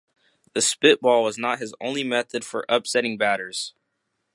The spitball was not his only method for upsetting batters.